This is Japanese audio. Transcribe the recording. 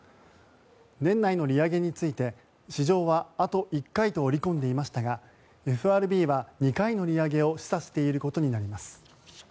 年内の利上げについて、市場はあと１回と織り込んでいましたがＦＲＢは２回の利上げを示唆していることになります。